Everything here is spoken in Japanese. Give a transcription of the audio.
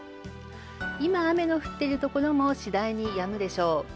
今、雨の降っている所も次第に止むでしょう。